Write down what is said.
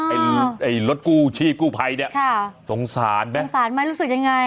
ไอ้รถกู้ชีพกู้ภัยเนี่ยสงสารไหมสงสารไหมรู้สึกยังไง